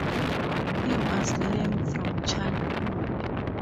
He was lame from childhood.